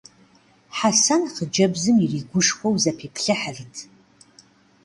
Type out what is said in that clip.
Хьэсэн хъыджэбзым иригушхуэу зэпиплъыхьырт.